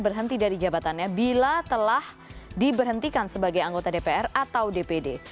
berhenti dari jabatannya bila telah diberhentikan sebagai anggota dpr atau dpd